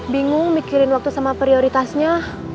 bingung mikirin waktu sama prioritasnya